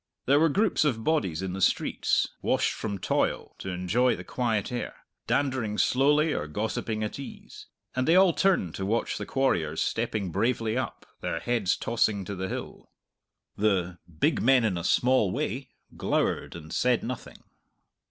There were groups of bodies in the streets, washed from toil to enjoy the quiet air; dandering slowly or gossiping at ease; and they all turned to watch the quarriers stepping bravely up, their heads tossing to the hill. The big men in a small way glowered and said nothing.